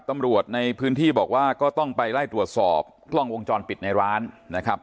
ตำรวจในพื้นที่บอกว่าก็ต้องไปไล่ตรวจสอบกล้องวงจรปิดในร้านนะครับ